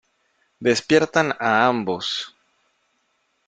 Despiertan a ambos.